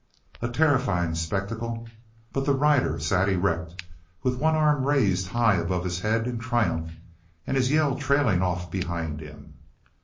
A terrifying spectacle, but the rider sat erect, with one arm raised high above his head in triumph, and his yell trailing off behind him.